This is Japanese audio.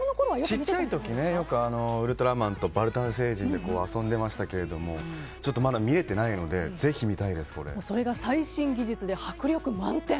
ちっちゃい時ね、よくウルトラマンとバルタン星人で遊んでましたけどまだ見れてないのでそれが最新技術で迫力満点。